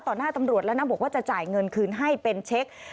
หน้าตำรวจแล้วนะบอกว่าจะจ่ายเงินคืนให้เป็นเช็ค